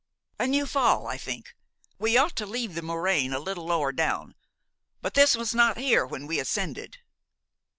"A new fall, I think. We ought to leave the moraine a little lower down; but this was not here when we ascended."